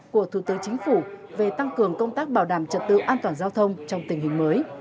của thủ tướng chính phủ về tăng cường công tác bảo đảm trật tự an toàn giao thông trong tình hình mới